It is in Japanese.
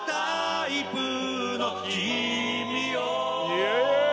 イエーイ！